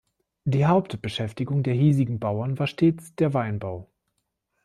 Die Hauptbeschäftigung der hiesigen Bauern war stets der Weinbau.